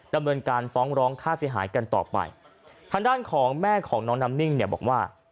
ดำเนินการฟ้องร้องค่าเสียหายกันต่อไปทางด้านของแม่ของน้องน้ำนิ่งเนี่ยบอกว่า